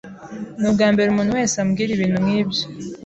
Ni ubwambere umuntu wese ambwira ibintu nkibyo.